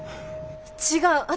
違う！